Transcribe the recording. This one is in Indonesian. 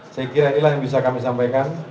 saya kira inilah yang bisa kami sampaikan